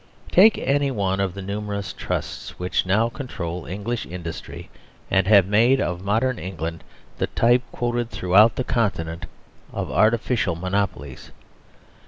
Take any one of the numerous Trusts which now control English industry, and have made of modern England the type, quoted throughout the Continent, of artificial monopolies.